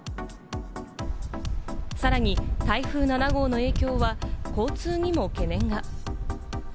さらに台風７号の影響は交通にも懸念が。